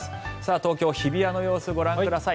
東京・日比谷の様子をご覧ください。